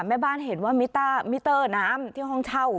แม่บ้านเห็นว่ามิเตอร์น้ำที่ห้องเช่า